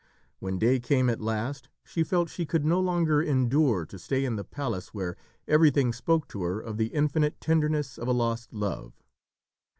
When day came at last, she felt she could no longer endure to stay in the palace where everything spoke to her of the infinite tenderness of a lost love.